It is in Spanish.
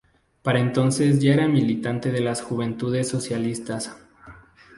Para entonces ya era militante de las Juventudes Socialistas.